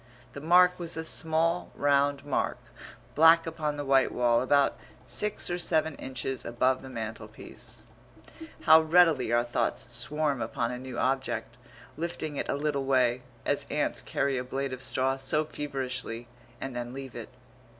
The mark was a small round mark, black upon the white wall, about six or seven inches above the mantelpiece. How readily our thoughts swarm upon a new object, lifting it a little way, as ants carry a blade of straw so feverishly, and then leave it....